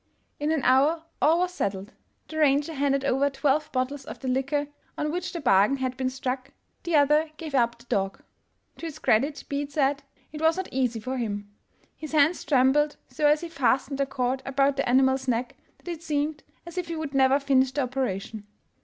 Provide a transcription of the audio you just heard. In an hour all was set tled. The ranger handed over twelve bottles of the liquor on which the bargain had been struck — the other gave up the dog. To his credit be it said, it was not easy for him. His hands trembled so as he fastened the cord about the animal's neck that it seemed as if he would never finish the operation.